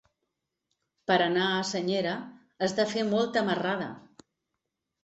Per anar a Senyera has de fer molta marrada.